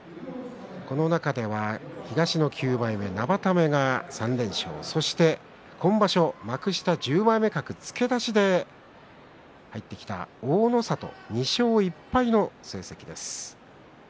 この中では東の９枚目生田目が３連勝そして今場所幕下１０枚目格付け出しで入ってきた大の里２勝１敗の成績です。